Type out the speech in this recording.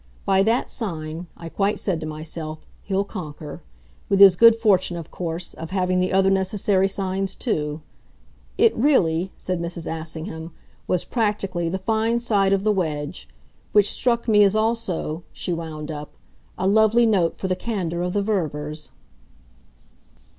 'By that sign,' I quite said to myself, 'he'll conquer' with his good fortune, of course, of having the other necessary signs too. It really," said Mrs. Assingham, "was, practically, the fine side of the wedge. Which struck me as also," she wound up, "a lovely note for the candour of the Ververs."